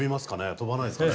飛ばないですかね。